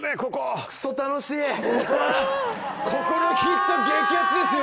ここのヒート激アツですよ。